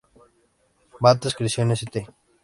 Bates creció en St.